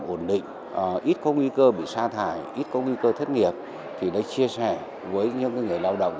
ổn định ít có nguy cơ bị sa thải ít có nguy cơ thất nghiệp thì đã chia sẻ với những người lao động